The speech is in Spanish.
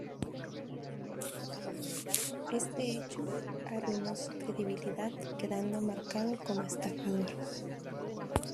Este hecho arruinó su credibilidad, quedando marcado como "estafador".